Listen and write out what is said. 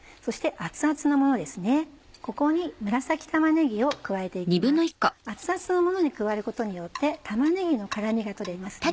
熱々のものに加えることによって玉ねぎの辛みが取れますね。